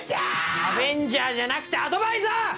アベンジャーじゃなくてアドバイザー！